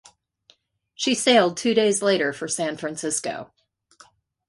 She sailed two days later for San Francisco.